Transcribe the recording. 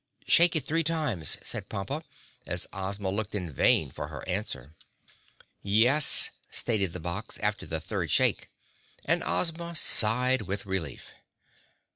"Shake it three times," said Pompa, as Ozma looked in vain for her answer. "Yes," stated the box after the third shake, and Ozma sighed with relief.